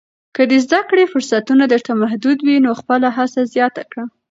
که د زده کړې فرصتونه درته محدود وي، نو خپله هڅه زیاته کړه.